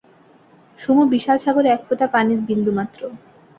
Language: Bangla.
সুমো বিশাল সাগরে একফোঁটা পানির বিন্দু মাত্র।